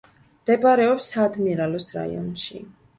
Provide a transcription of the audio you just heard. მდებარეობს საადმირალოს რაიონში.